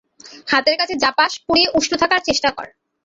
হাতের কাছে যা পাস পুড়িয়ে উষ্ণ থাকার চেষ্টা কর!